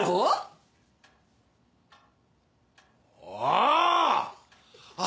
ああ！